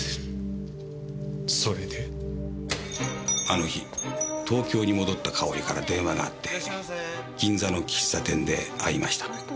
あの日東京に戻ったかおりから電話があって銀座の喫茶店で会いました。